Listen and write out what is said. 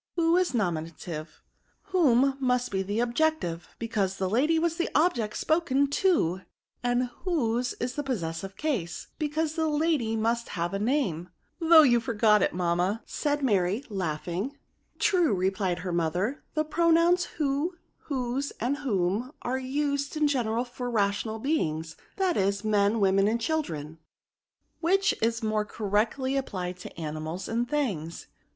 Who is nominative ; whom must be the objective, because the lady was the object spoken to ; and whose is the possessive case, because the lady must have a name, though you forget it, mamma,*' said Mary, laughing. R 3 186 RELATIVE PROKOtrm. " True,^ replied her mother. The pro nouns who^ whose f and whom, axe used in general for rational beings; that is, men, women, and children* Which is more oor« rectlj applied to animals and things.